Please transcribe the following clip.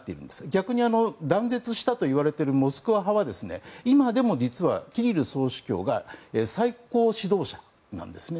逆に断絶したといわれているモスクワ派は今でも実はキリル総主教が最高指導者なんですね。